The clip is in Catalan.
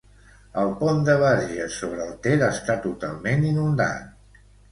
El pont de Verges sobre el Ter està totalment inundat.